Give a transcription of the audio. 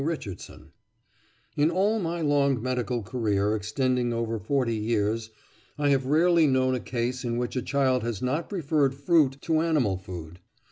Richardson: "In all my long medical career, extending over forty years, I have rarely known a case in which a child has not preferred fruit to animal food.